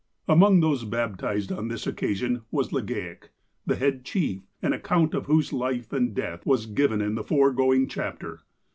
Among those baptized on this occasion was Legaic, the head chief, an account of whose life and death was given in the foregoing chapter.